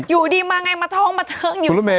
อยู่ดิมายังไงมาท้องมาเทิงอยู่กาลว่า